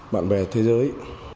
bạn bè thế giới